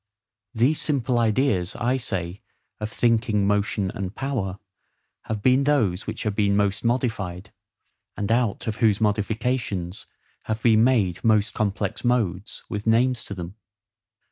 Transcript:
These simple ideas, I say, of thinking, motion, and power, have been those which have been most modified; and out of whose modifications have been made most complex modes, with names to them.